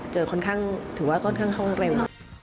ค่อนข้างถือว่าค่อนข้างเร็ว